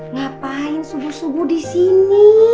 ngapain subuh subuh disini